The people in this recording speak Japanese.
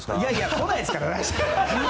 いやいや来ないですから。